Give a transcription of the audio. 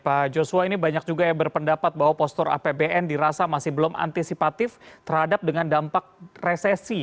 pak joshua ini banyak juga yang berpendapat bahwa postur apbn dirasa masih belum antisipatif terhadap dengan dampak resesi